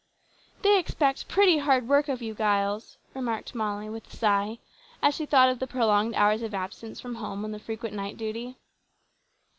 "They expect pretty hard work of you, Giles," remarked Molly with a sigh, as she thought of the prolonged hours of absence from home, and the frequent night duty.